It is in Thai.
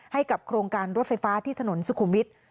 ให้กับโครงการรถไฟฟ้าที่ถนนสุขุมวิทย์